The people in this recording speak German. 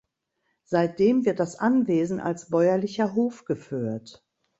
Seitdem wird das Anwesen als bäuerlicher Hof geführt.